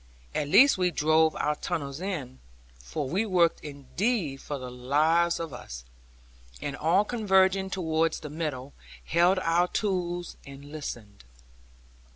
At last we drove our tunnels in (for we worked indeed for the lives of us), and all converging towards the middle, held our tools and listened.